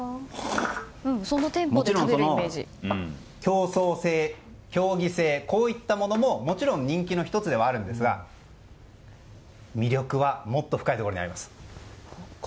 もちろん競争性競技性、こういったものももちろん人気の１つではあるんですが魅力はもっと深いところにあります。